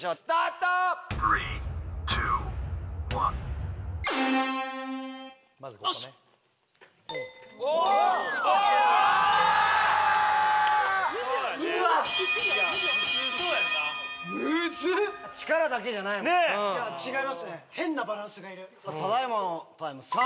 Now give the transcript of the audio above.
ただ今のタイム。